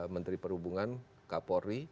menteri perhubungan kapolri